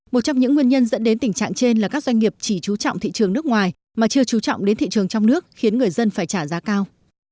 một trong những nguyên nhân dẫn đến tình trạng trên là các doanh nghiệp chỉ trú trọng thị trường nước ngoài mà chưa trú trọng đến thị trường trong nước khiến người dân phải trả giá cao